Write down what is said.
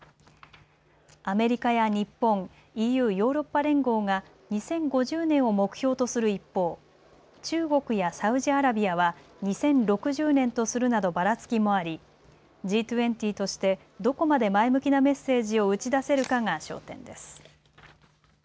アメリカや日本、ＥＵ・ヨーロッパ連合が２０５０年を目標とする一方、中国やサウジアラビアは２０６０年とするなどばらつきもありＧ２０としてどこまで前向きなメッセージを打ち出せるかが焦点です。